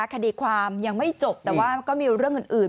คดีความยังไม่จบแต่ว่ามันก็มีเรื่องอื่น